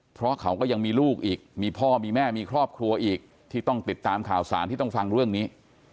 เพราะเขาก็ยังมีลูกอีกมีพ่อมีแม่มีครอบครัวอีกที่ต้องติดตามข่าวสารที่ต้องฟังเรื่องนี้